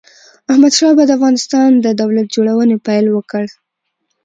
احمد شاه بابا د افغانستان د دولت جوړونې پيل وکړ.